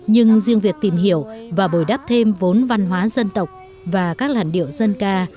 nhưng riêng việc tìm hiểu và bồi đắp thêm vốn văn hóa dân tộc và các làn điệu dân ca